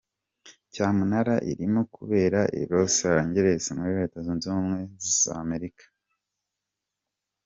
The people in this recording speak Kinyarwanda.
cyamunara irimo kubera i Los Angeles, muri Leta zunze ubumwe za Amerika.